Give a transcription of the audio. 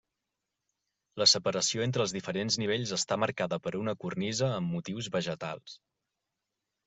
La separació entre els diferents nivells està marcada per una cornisa amb motius vegetals.